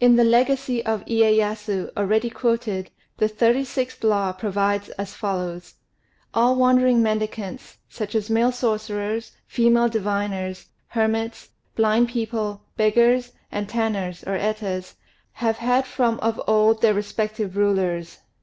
In the "Legacy of Iyéyasu," already quoted, the 36th Law provides as follows: "All wandering mendicants, such as male sorcerers, female diviners, hermits, blind people, beggars, and tanners (Etas), have had from of old their respective rulers.